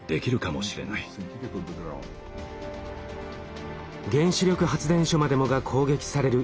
原子力発電所までもが攻撃される異常事態。